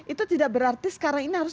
itu tidak berarti sekarang ini harus